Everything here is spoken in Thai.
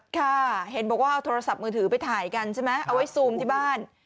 ค่ะเห็นบอกว่าเอาโทรศัพท์มือถือไปถ่ายกันใช่ไหมเอาไว้ซูมที่บ้าน